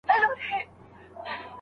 نو املا دې ښه کېږي.